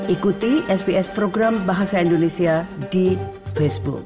ikuti sps program bahasa indonesia di facebook